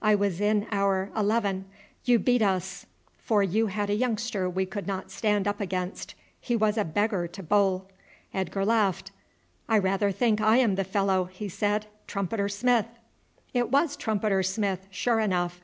"I was in our eleven. You beat us, for you had a youngster we could not stand up against, he was a beggar to bowl." Edgar laughed. "I rather think I am the fellow," he said, "Trumpeter Smith." "It was Trumpeter Smith, sure enough.